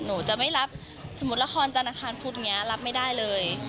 หนูจะไม่รับสมมุติละครจันทร์อาคารพุธอย่างนี้รับไม่ได้เลย